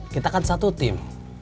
kita kan satu tim